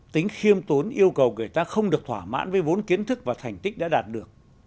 tính khiêm tốn yêu cầu người ta không được thỏa mãn với vốn kiến thức và thành tích đã đạt được